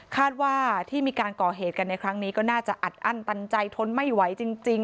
คาดว่าที่มีการก่อเหตุกันในครั้งนี้ก็น่าจะอัดอั้นตันใจทนไม่ไหวจริง